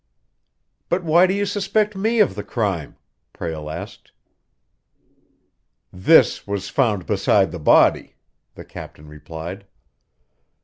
"But why suspect me of the crime?" Prale asked. "This was found beside the body," the captain replied.